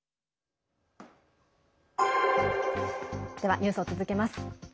ニュースを続けます。